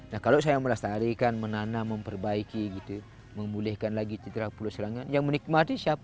nah kalau saya melestarikan menanam memperbaiki memulihkan lagi citarapulut serangan yang menikmati siapa